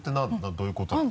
どういうことなの？